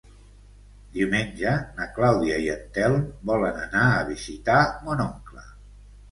Diumenge na Clàudia i en Telm volen anar a visitar mon oncle.